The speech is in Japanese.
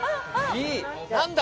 何だ？